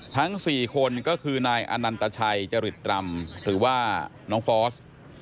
ทั้ง๔คนก็คือนายอนันตชัยจริตรำหรือว่าน้องฟอส